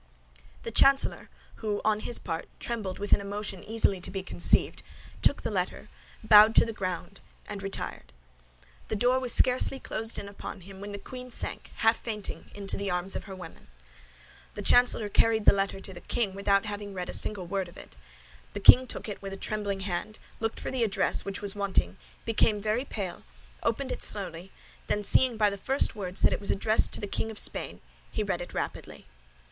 The chancellor, who, on his part, trembled with an emotion easily to be conceived, took the letter, bowed to the ground, and retired. The door was scarcely closed upon him, when the queen sank, half fainting, into the arms of her women. The chancellor carried the letter to the king without having read a single word of it. The king took it with a trembling hand, looked for the address, which was wanting, became very pale, opened it slowly, then seeing by the first words that it was addressed to the King of Spain, he read it rapidly.